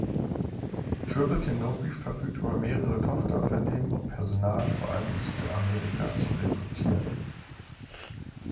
Triple Canopy verfügt über mehrere Tochterunternehmen, um Personal vor allem in Südamerika zu rekrutieren.